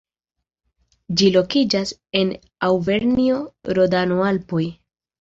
Ĝi lokiĝas en Aŭvernjo-Rodano-Alpoj.